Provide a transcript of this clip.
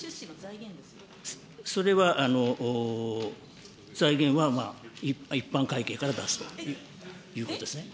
それは財源は一般会計から出すということですね。